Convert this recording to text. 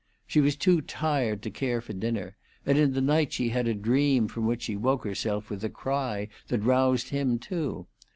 She was too tired to care for dinner, and in the night she had a dream from which she woke herself with a cry that roused him, too.